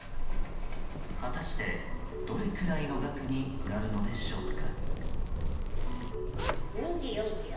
果たして、どれくらいの額になるのでしょうか。